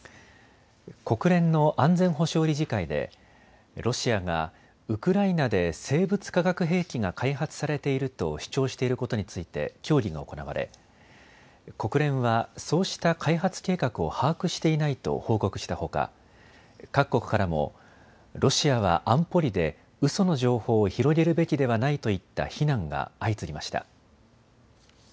国連の安全保障理事会でロシアがウクライナで生物化学兵器が開発されていると主張していることについて協議が行われ国連はそうした開発計画を把握していないと報告したほか各国からもロシアは安保理で、うその情報を広げるべきではないといった非難が相次ぎました。